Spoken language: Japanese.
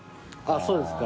そうですか？